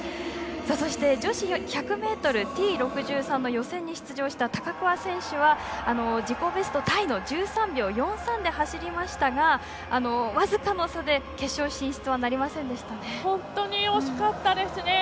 女子１００ｍＴ６３の予選に出場した高桑選手は、自己ベストタイの１３秒４３で走りましたが僅かの差で本当に惜しかったですね。